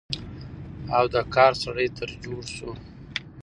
او د کار سړى تر جوړ شو،